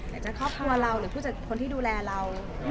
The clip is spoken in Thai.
อยากจะครอบครัวเราหรือผู้จัดคนที่ดูแลเรา